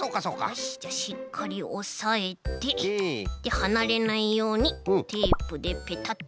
よしじゃしっかりおさえてではなれないようにテープでペタッとして。